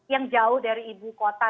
yang jauh dari ibu kota